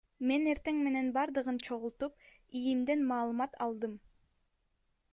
Мен эртең менен бардыгын чогултуп, ИИМден маалымат алдым.